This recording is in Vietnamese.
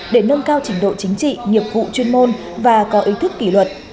để nâng cao trình độ chính trị nghiệp vụ chuyên môn và có ý thức kỷ luật